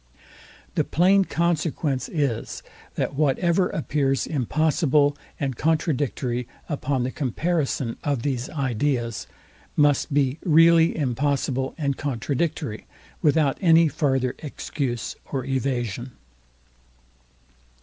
The plain consequence is, that whatever appears impossible and contradictory upon the comparison of these ideas, must be really impossible and contradictory, without any farther excuse or evasion.